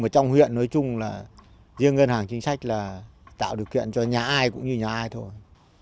mà trong huyện nói chung là riêng ngân hàng chính sách là tạo điều kiện cho nhà ai cũng như nhà ai thôi